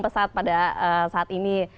pesat pada saat ini